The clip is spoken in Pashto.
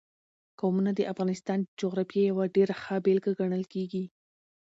قومونه د افغانستان د جغرافیې یوه ډېره ښه بېلګه ګڼل کېږي.